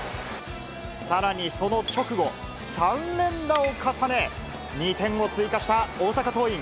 さらにその直後、３連打を重ね、２点を追加した大阪桐蔭。